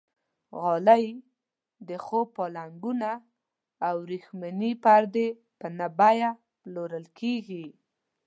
غالۍ، د خوب پالنګونه او وریښمینې پردې په نه بیه پلورل کېږي.